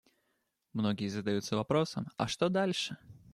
Многие задаются вопросом: а что дальше?